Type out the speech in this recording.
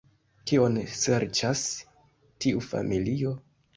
Kion serĉas tiu familio?